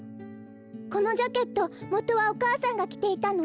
このジャケットもとはお母さんがきていたの？